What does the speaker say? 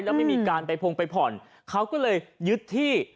แล้วไม่มีการไปพงไปผ่อนเขาก็เลยยึดที่